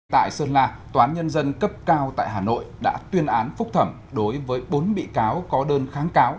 tại sơn la tòa án nhân dân cấp cao tại hà nội đã tuyên án phúc thẩm đối với bốn bị cáo có đơn kháng cáo